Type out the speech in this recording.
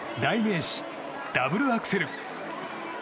代名詞、ダブルアクセル。